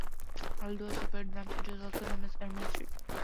Although a separate branch, it is also known as Ermine Street.